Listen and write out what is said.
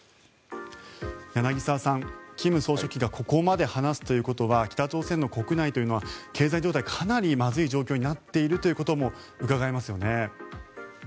柳澤さん、金総書記がここまで話すということは北朝鮮の国内は経済状態がかなりまずい状況になっていることもうかがえますね。